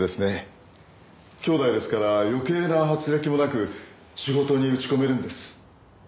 姉弟ですから余計な軋轢もなく仕事に打ち込めるんです。